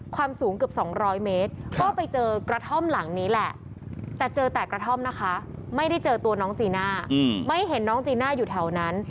ความสูงเกือบ๒๐๐เมตรก็ไปเจอกระท่อมหลังนี้แหละแต่เจอแต่กระท่อมนะคะไม่ได้เจอตัวน้องจีน่าไม่เห็นน้องจีน่าอยู่แถวนั้น